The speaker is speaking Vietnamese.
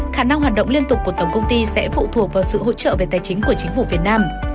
khả năng hoạt động liên tục của tổng công ty sẽ phụ thuộc vào sự hỗ trợ về tài chính của chính phủ việt nam